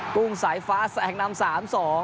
ุ้งสายฟ้าแสงนำ๓๒